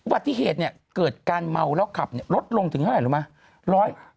วัตถิเหตุเกิดการเมาแล้วขับลดลงถึงเท่าไรรู้ไหม